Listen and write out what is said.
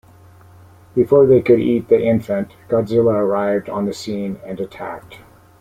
Before they could eat the infant, Godzilla arrived on the scene and attacked.